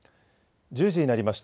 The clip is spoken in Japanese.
１０時になりました。